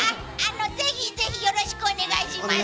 ぜひぜひよろしくお願いします。